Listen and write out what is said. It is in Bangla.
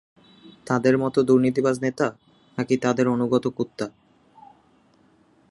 তাদের মতো দুর্নীতিবাজ নেতা, নাকি তাদের আনুগত কুত্তা?